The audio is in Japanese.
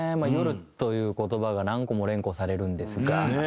「夜」という言葉が何個も連呼されるんですが。